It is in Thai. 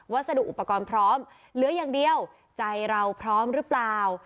สดุอุปกรณ์พร้อมเหลืออย่างเดียวใจเราพร้อมหรือเปล่า